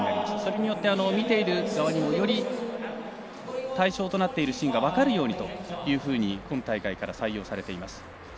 それによって見ている側にもより対象となっているシーンが分かるようにというふうに今大会から採用されています。